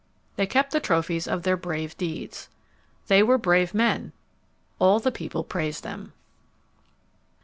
They kept the trophies of their brave deeds. They were brave men. All the people praised them.